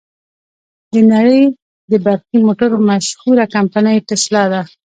د نړې د برقی موټرو مشهوره کمپنۍ ټسلا ده.